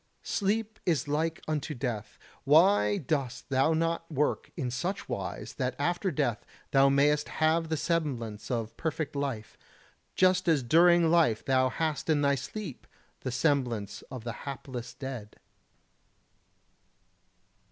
Sleep is like unto death. Why dost thou not work in such wise that after death thou mayst have the semblance of perfect life, just as during life thou hast in thy sleep the semblance of the hapless dead?